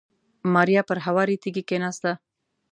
ماريا پر هوارې تيږې کېناسته.